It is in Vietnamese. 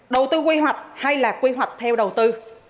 đầu tư quy hoạch hay là quy hoạch theo đầu tư